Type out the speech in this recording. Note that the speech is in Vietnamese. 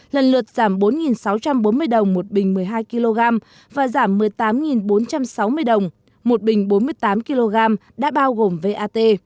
lần lượt giảm bốn sáu trăm bốn mươi đồng một bình một mươi hai kg và giảm một mươi tám bốn trăm sáu mươi đồng một bình bốn mươi tám kg đã bao gồm vat